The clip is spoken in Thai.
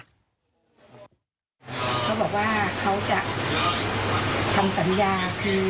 เขาบอกว่าเขาจะทำสัญญาคือ